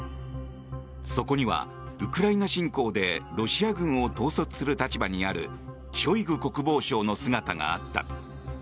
そこには、ウクライナ侵攻でロシア軍を統率する立場にあるショイグ国防相の姿があった。